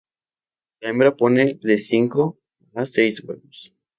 La hembra pone de cinco a seis huevos.